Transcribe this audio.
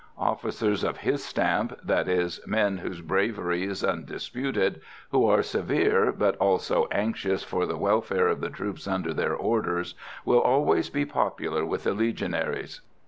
Officers of his stamp, that is, men whose bravery is undisputed, who are severe but also anxious for the welfare of the troops under their orders, will always be popular with the Legionaries.